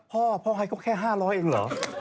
พ่อพ่อให้เขาแค่๕๐๐เองเหรอ